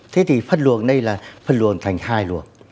thế thì phân luồng đây là phân luồng thành hai luồng